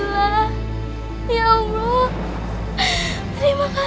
tarmihin di jarum